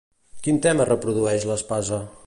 Quin tema reprodueix l'espasa?